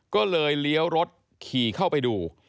ก็เลยเลี้ยวรถขี่เข้าไปดู